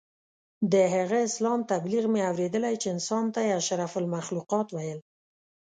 د هغه اسلام تبلیغ مې اورېدلی چې انسان ته یې اشرف المخلوقات ویل.